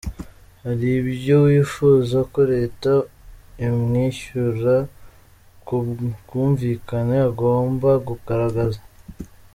Hari ibyo uwifuza ko Leta imwishyura ku bwumvikane agomba kugaragaza.